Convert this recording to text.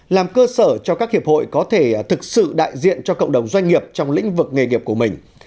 làm cơ sở cho các hiệp hội có thể thực sự đại diện cho cộng đồng doanh nghiệp trong lĩnh vực nghề nghiệp của mình